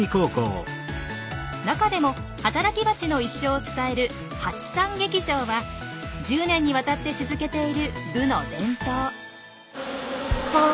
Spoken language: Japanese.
中でも働きバチの一生を伝える「ハチさん劇場」は１０年にわたって続けている部の伝統。